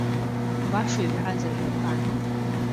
Баша иҳәаз ажәақәан.